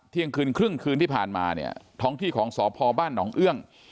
เที่ยงคืนครึ่งคืนที่ผ่านมาเนี่ยท้องที่ของสพบ้านหนองเอื้อง